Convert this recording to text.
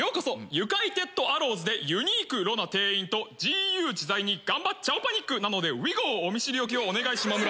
ユカイテッドアローズでユニークロな店員とジーユー自在に頑張っチャオパニックなのでウィゴーお見知りおきをお願いしまむら。